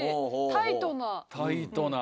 タイトな。